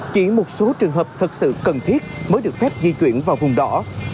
chỉ một số trường hợp thật sự cần thiết mới được phép di chuyển vào vùng đỏ